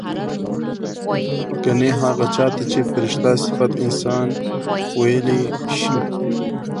ګنې هغه چا ته چې فرشته صفت انسان وييلی شي